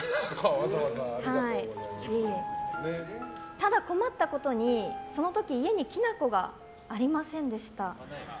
ただ、困ったことに、その時家にきな粉がありませんでした。